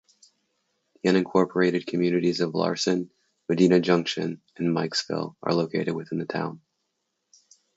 The unincorporated communities of Larsen, Medina Junction, and Mikesville are located within the town.